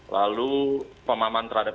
lalu pemaman terhadap